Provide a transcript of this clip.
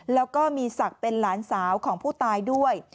แล้วก็มีศักดิ์เป็นหลานสาวของผู้ตายด้วย